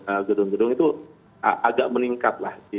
ya itu gedung gedung itu agak meningkat lah